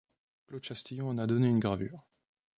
Claude Chastillon en a donné une gravure.